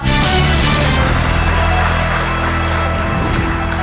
ขอเชิญแม่จำรูนขึ้นมาต่อชีวิตเป็นคนต่อไปครับ